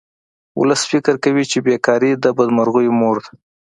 ولس فکر کوي چې بې کاري د بدمرغیو مور ده